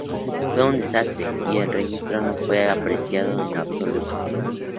Fue un desastre, y el registro no fue apreciado en absoluto.